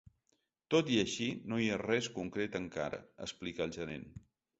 Tot i així, no hi ha res concret encara, explica el gerent.